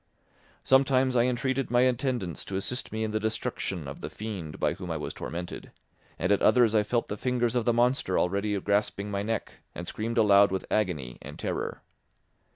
Sometimes I entreated my attendants to assist me in the destruction of the fiend by whom I was tormented; and at others I felt the fingers of the monster already grasping my neck, and screamed aloud with agony and terror.